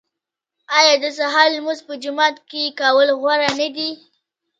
آیا د سهار لمونځ په جومات کې کول غوره نه دي؟